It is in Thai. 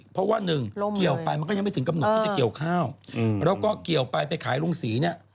เพราะว่าหนึ่งเกี่ยวไปมันก็ยังไม่ถึงกำหนดที่จะเกี่ยวข้าวแล้วก็เกี่ยวไปไปขายลุงศรีเนี่ย